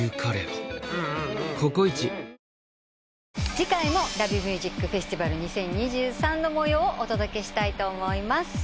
次回も「ＬＯＶＥＭＵＳＩＣＦＥＳＴＩＶＡＬ２０２３」の模様をお届けしたいと思います。